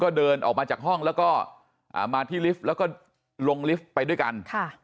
เดินออกมาจากห้องแล้วก็มาที่ลิฟต์แล้วก็ลงลิฟต์ไปด้วยกัน